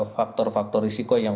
faktor faktor risiko yang